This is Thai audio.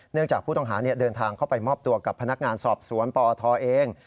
จากผู้ต้องหาเดินทางเข้าไปมอบตัวกับพนักงานสอบสวนปอทเอง